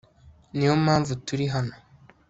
ni yo mpamvu turi hano